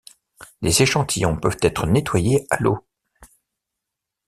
Les échantillons peuvent être nettoyés à l'eau.